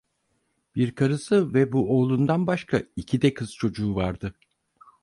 Bir karısı ve bu oğlundan başka iki de kız çocuğu vardı.